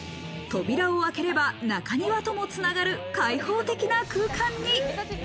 扉を開ければ中庭ともつながる開放的な空間に。